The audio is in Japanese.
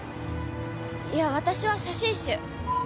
いや私は写真集。